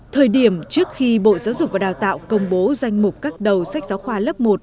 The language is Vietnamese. thời điểm trước khi bộ giáo dục và đào tạo công bố danh mục các đầu sách giáo khoa lớp một